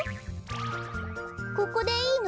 ここでいいの？